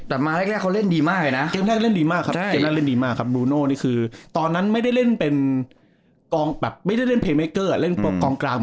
แต่มาแรกเขาเล่นดีมากเลยนะ